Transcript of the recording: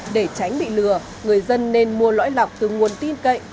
để tránh bị lừa người dân nên mua lõi lọc từ nguồn tin cậy